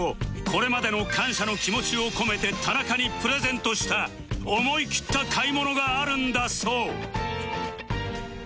これまでの感謝の気持ちを込めて田中にプレゼントした思い切った買い物があるんだそう